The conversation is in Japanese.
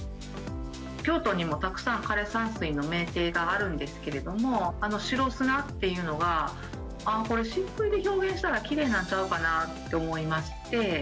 京都にもたくさん枯山水の名庭があるんですけれども、白砂っていうのは、これ、しっくいで表現したらきれいなんちゃうかなって思いまして。